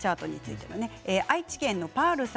愛知県の方